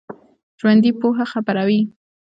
ژوندي پوهه خپروي